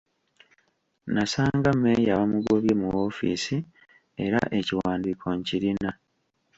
Nasanga mmeeya bamugobye mu woofiisi era ekiwandiiko nkirina.